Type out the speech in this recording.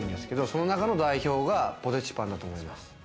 その中の代表がポテチパンだと思います。